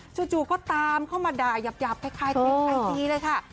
จู่ก็ตามเข้ามาด่ายาบคล้ายเพลงไอจีเลยค่ะ